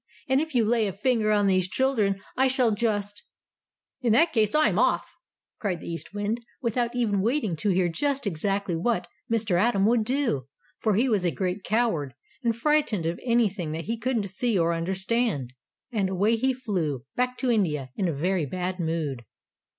"And, if you lay a finger on these children, I shall just " "In that case, I'm off!" cried the East Wind, without even waiting to hear just exactly what Mr. Atom would do, for he was a great coward, and frightened of anything that he couldn't see or understand. And away he flew, back to India, in a very bad mood.